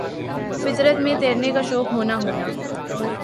فطر ت میں تیرنا کا شوق ہونا ہونا